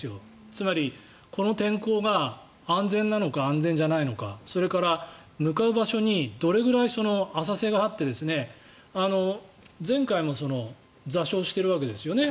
つまり、この天候が安全なのか安全じゃないのかそれから向かう場所にどれぐらい浅瀬があって前回も座礁してるわけですよね。